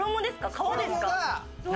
皮ですか？